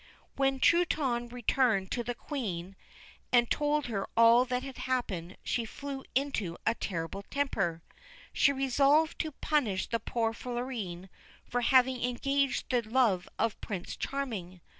When Truitonne returned to the Queen and told her all that had happened she flew into a terrible temper. She resolved to punish the poor Florine for having engaged the love of Prince Charming.